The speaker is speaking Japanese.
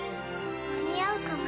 間に合うかな。